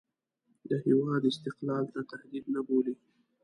د هېواد استقلال ته تهدید نه بولي.